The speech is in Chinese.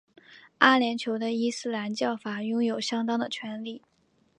阿联酋的伊斯兰教法拥有相当的权力。